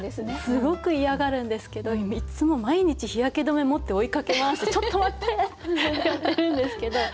すごく嫌がるんですけどいつも毎日日焼け止め持って追いかけ回して「ちょっと待って！」ってやってるんですけど。